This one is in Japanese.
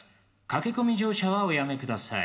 駆け込み乗車はおやめください。